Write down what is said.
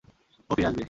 ও ফিরে আসবে।